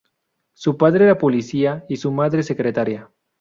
Su padre era policía y mi madre secretaria.